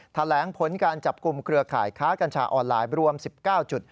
แถลงผลการจับกลุ่มเครือข่ายค้ากัญชาออนไลน์รวม๑๙จุด